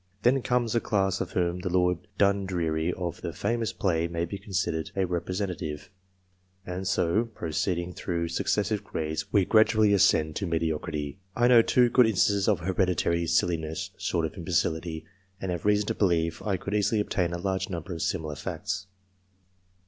Then comes a class of whom the Lord Dundreary of the famous play may be considered a representative; and so, proceeding through successive grades, we gradually ascend to mediocrity. I know two good instances of hereditary silliness short of imbecility, and have reason to believe I could easily obtain a large number of similar facts.